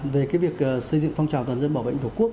về việc xây dựng phong trào toàn dân bảo vệ an ninh tổ quốc